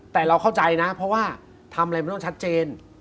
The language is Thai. แต่เราเข้าใจนะเพราะว่าทำอะไรมันต้องชัดเจน